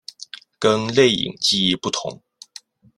跟内隐记忆不同。